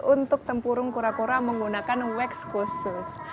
untuk tempurung kura kura menggunakan wax khusus